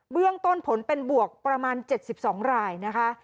เรื่องต้นผลเป็นบวกประมาณ๗๒รายนะคะ